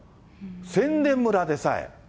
宣伝村でさえ。